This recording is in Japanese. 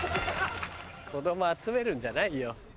子供集めるんじゃないよ。